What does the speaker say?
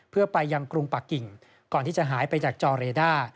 เพื่อไปยังกรุงปะกิ่งก่อนที่จะหายไปจากจอเรด้า